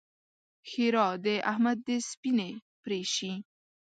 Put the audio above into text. ښېرا: د احمد دې سپينې پرې شي!